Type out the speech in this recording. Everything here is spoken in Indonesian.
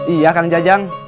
iya kang jajang